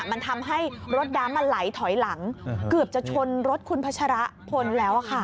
มันทำให้รถน้ำมันไหลถอยหลังเกือบจะชนรถคุณพัชระพลแล้วค่ะ